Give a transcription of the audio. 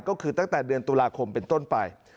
ก็คือตั้งแต่เดือนตุลาคมเป็นต้นไป